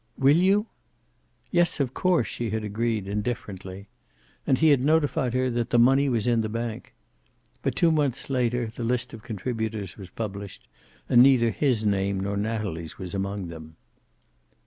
"Will you?' "Yes, of course," she had agreed, indifferently. And he had notified her that the money was in the bank. But two months later the list of contributors was published, and neither his name nor Natalie's was among them.